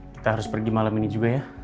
kita harus pergi malam ini juga ya